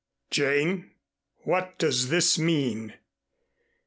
Jane, what does this mean?"